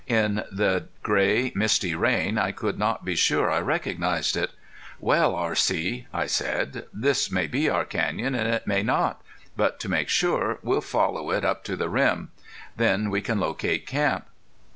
In the gray misty rain I could not be sure I recognized it. "Well, R.C.," I said, "this may be our canyon, and it may not. But to make sure we'll follow it up to the rim. Then we can locate camp."